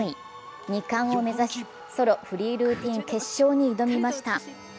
２冠を目指し、ソロフリールーティン決勝に挑みました。